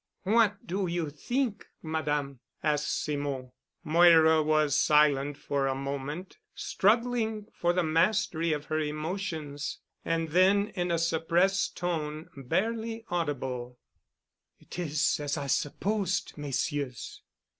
"What do you think, Madame?" asked Simon. Moira was silent for a moment, struggling for the mastery of her emotions. And then in a suppressed tone, barely audible, "It is as I supposed, Messieurs.